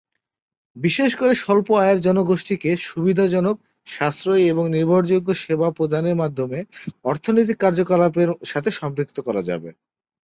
বিশেষ করে স্বল্প আয়ের জনগোষ্ঠীকে সুবিধাজনক, সাশ্রয়ী, এবং নির্ভরযোগ্য সেবা প্রদানের মাধ্যমে অর্থনৈতিক কার্যকলাপের সাথে সম্পৃক্ত করা যাবে।